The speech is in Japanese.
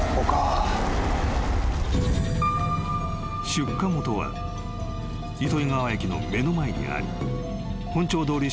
［出火元は糸魚川駅の目の前にあり本町通り